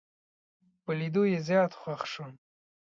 په لیدو یې زیات خوښ شوم.